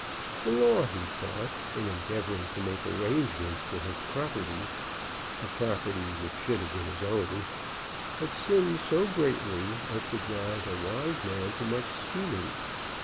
The law, he thought, in endeavoring to make arrangements for his property, the property which should have been his own, had sinned so greatly as to drive a wise man to much scheming.